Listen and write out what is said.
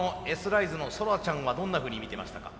ライズのソラちゃんはどんなふうに見てましたか？